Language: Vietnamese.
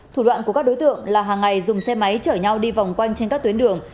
thủ đoạn của các đối tượng là hàng ngày dùng xe máy chở nhau đi vòng quanh trên các tuyến đường